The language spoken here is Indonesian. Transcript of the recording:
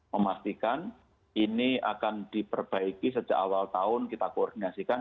memastikan ini akan diperbaiki sejak awal tahun kita koordinasikan